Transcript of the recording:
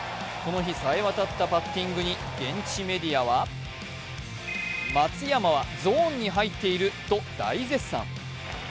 この日、冴えわたったパッティングに現地メディアは、松山はゾーンに入っていると大絶賛。